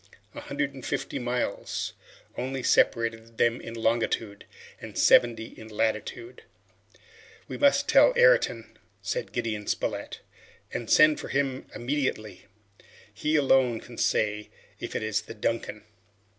A hundred and fifty miles only separated them in longitude, and seventy in latitude. "We must tell Ayrton," said Gideon Spilett, "and send for him immediately. He alone can say if it is the 'Duncan.